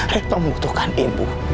retno membutuhkan ibu